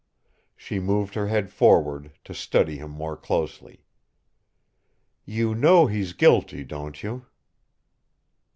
She moved her head forward, to study him more closely. "You know he's guilty, don't you?"